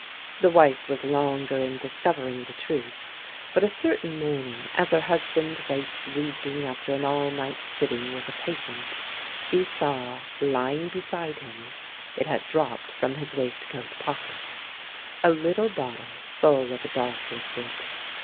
The wife was longer in discovering the truth, but a certain morning, as her husband lay sleeping after an all night sitting with a patient, she saw lying beside him — it had dropped from his waistcoat pocket — a little bottle full of a dark liquid.